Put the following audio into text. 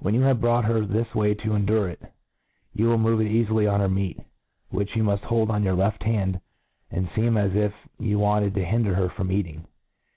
When you have brought her this way to endure it, you will move it eafily on her meat, which you miift hold on your left hand, and fcem as if you wanted to hinder her from eating.